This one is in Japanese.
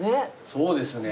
そうですね。